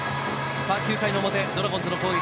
９回の表、ドラゴンズの攻撃。